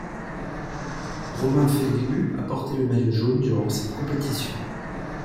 Romain Feillu a porté le maillot jaune durant cette compétition.